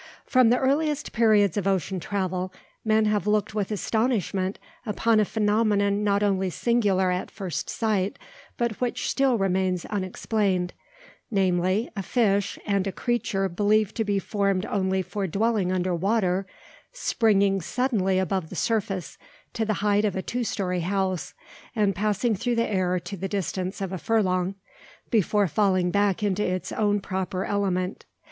From the earliest periods of ocean travel, men have looked with astonishment upon a phenomenon not only singular at first sight, but which still remains unexplained, namely, a fish and a creature believed to be formed only for dwelling under water, springing suddenly above the surface, to the height of a two storey house, and passing through the air to the distance of a furlong, before falling back into its own proper element!